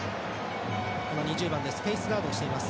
２０番です。